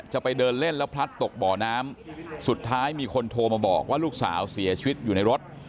จะไปเดินเล่นแล้วพลัดตกบ่อน้ำสุดท้ายมีคนโทรมาบอกว่าลูกสาวเสียชีวิตอยู่ในรถ